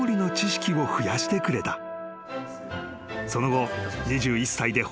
［その後］